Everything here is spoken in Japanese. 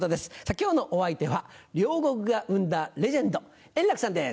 今日のお相手は両国が生んだレジェンド円楽さんです。